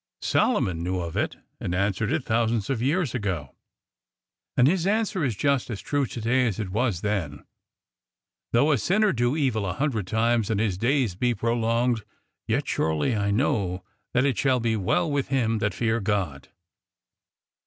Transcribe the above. Solomon knew of it and answered it thousands of years ago. And his answer is just as true to day as it was then —^ Though a sinner do evil an hundred times and his days be pro longed, yet surely I know that it shall be well with them that fear God.